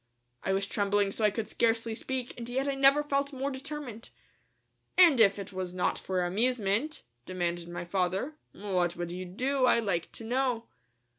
I was trembling so I could scarcely speak, and yet I never felt more determined. "And if it was not for amusement," demanded my father, "what would you do, I'd like to know?"